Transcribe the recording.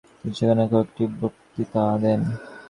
তিনি সেখানে কয়েকটি বক্তৃতা দেন।